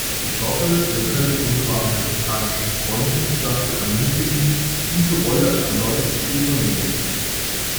Ich hoffe, wir können unsere amerikanischen Freunde dazu ermutigen, diese Rolle erneut zu übernehmen.